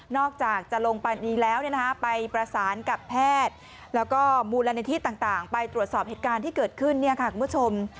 นอกจากจะลงไปนี้แล้วเนี่ยนะคะไปประสานกับแพทย์แล้วก็มูลในที่ต่างไปตรวจสอบเหตุการณ์ที่เกิดขึ้นเนี่ยค่ะคุณผู้ชม